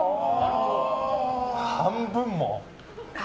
半分も？